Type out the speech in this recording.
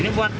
ini buat apa